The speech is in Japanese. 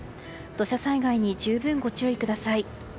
土砂災害に十分ご注意ください。